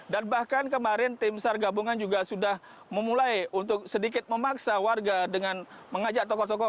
dan bahkan kemarin tim sar gabungan juga sudah memulai untuk sedikit memaksa warga dengan mengajak tokoh tokoh